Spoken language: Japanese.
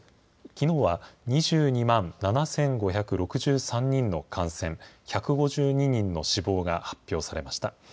きのうは２２万７５６３人の感染、１５２人の死亡が発表されました。